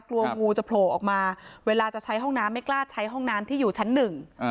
กลัวงูจะโผล่ออกมาเวลาจะใช้ห้องน้ำไม่กล้าใช้ห้องน้ำที่อยู่ชั้นหนึ่ง